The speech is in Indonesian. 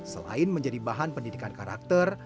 selain menjadi bahan pendidikan karakter